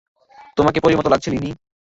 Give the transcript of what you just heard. তোমাকে পরির মতো লাগছে, লিনি!